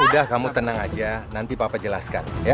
udah kamu tenang aja nanti papa jelaskan